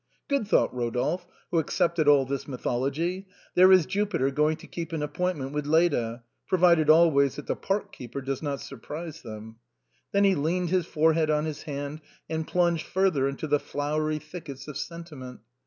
" Good," thought Rodolphe, who accepted all this mytho Iog3' ," there is Jupiter going to keep an appointment with Leda; provided always that the park keeper does not sur prise them." Then he leaned his forehead on his hand and plunged further into the flowery thickets of sentiment.